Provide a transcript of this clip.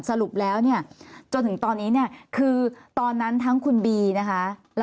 สรุปแล้วเนี่ย